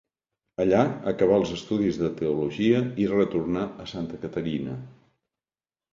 Allà acabà els estudis de teologia i retornà a Santa Caterina.